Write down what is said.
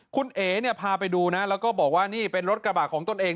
คุณเอ๋เนี่ยพาไปดูนะแล้วก็บอกว่านี่เป็นรถกระบะของตนเอง